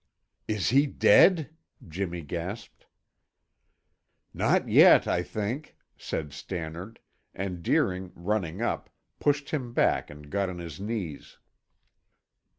"Is he dead?" Jimmy gasped. "Not yet, I think," said Stannard, and Deering, running up, pushed him back and got on his knees.